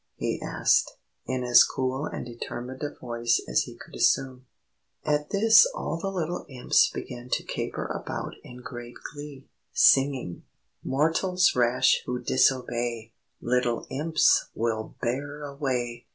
he asked, in as cool and determined a voice as he could assume. At this all the little Imps began to caper about in great glee, singing: "_Mortals rash Who disobey, Little Imps Will bear away!